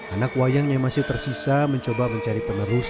anak wayang yang masih tersisa mencoba mencari penerus